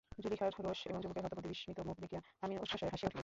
জুলিখার রোষ এবং যুবকের হতবুদ্ধি বিস্মিতমুখ দেখিয়া আমিনা উচ্চৈঃস্বরে হাসিয়া উঠিল।